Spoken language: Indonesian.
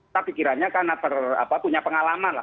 tapi kiranya kan punya pengalaman lah